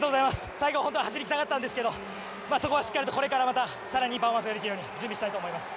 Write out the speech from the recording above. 最後は本当は走り切りたかったんですけどそこはしっかりとこれからまた更にいいパフォーマンスできるように準備したいと思います。